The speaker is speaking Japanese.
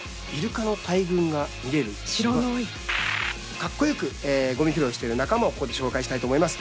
かっこよくゴミ拾いをしてる仲間をここで紹介したいと思います。